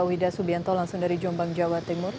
wida subianto langsung dari jombang jawa timur